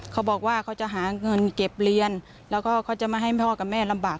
เขาบอกว่าเขาจะหาเงินเก็บเรียนแล้วก็เขาจะมาให้พ่อกับแม่ลำบาก